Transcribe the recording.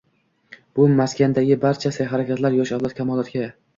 Bu maskandagi barcha sa’y-harakatlar yosh avlod kamolotiga.